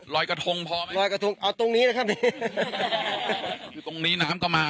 รอยกระทงพอไหมรอยกระทงอ๋อตรงนี้แหละครับตรงนี้น้ำก็มา